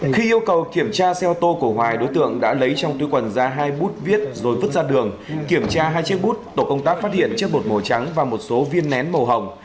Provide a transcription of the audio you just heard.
khi yêu cầu kiểm tra xe ô tô của hoài đối tượng đã lấy trong tư quần ra hai bút viết rồi vứt ra đường kiểm tra hai chiếc bút tổ công tác phát hiện chiếc bột màu trắng và một số viên nén màu hồng